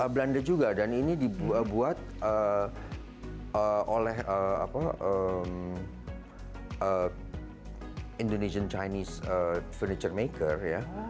belanda juga dan ini dibuat oleh indonesian chinese furniture maker ya